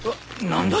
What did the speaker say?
なんだ？